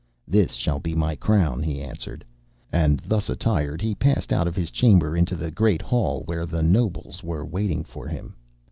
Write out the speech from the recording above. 'This shall he my crown,' he answered. And thus attired he passed out of his chamber into the Great Hall, where the nobles were waiting for him.